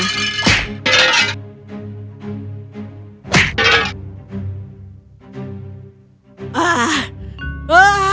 tidak ada yang bisa ditolak